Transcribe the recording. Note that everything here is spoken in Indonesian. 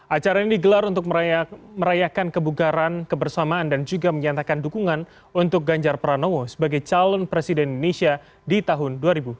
acara ini digelar untuk merayakan kebugaran kebersamaan dan juga menyatakan dukungan untuk ganjar pranowo sebagai calon presiden indonesia di tahun dua ribu dua puluh